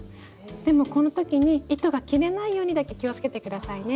でもこの時に糸が切れないようにだけ気をつけて下さいね。